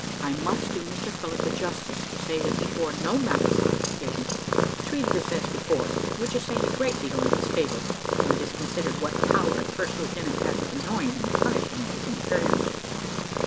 I must do Mr Phillott the justice to say that he bore no malice on this occasion, but treated us as before, which is saying a great deal in his favour, when it is considered what power a first lieutenant has of annoying and punishing his inferiors.